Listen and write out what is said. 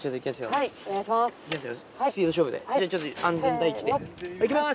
はいお願いします。